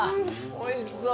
おいしそう。